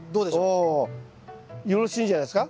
およろしいんじゃないですか？